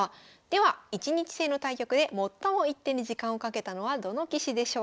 では一日制の対局で最も１手に時間をかけたのはどの棋士でしょうか？